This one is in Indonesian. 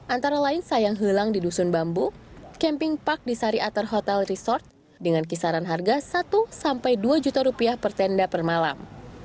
antara lain sayang hilang di dusun bambu camping park di sari atar hotel resort dengan kisaran harga satu sampai dua juta rupiah per tenda per malam